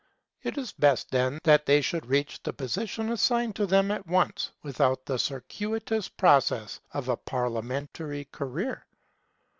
It is best, then, that they should reach the position assigned to them at once, without the circuitous process of a parliamentary career.